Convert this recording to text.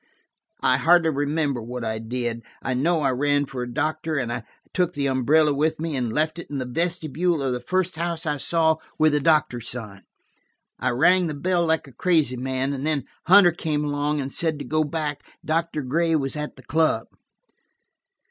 I hardly remember what I did. I know I ran for a doctor, and I took the umbrella with me and left it in the vestibule of the first house I saw with a doctor's sign. I rang the bell like a crazy man, and then Hunter came along and said to go back; Doctor Gray was at the club.